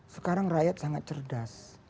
sekarang rakyat sangat cerdas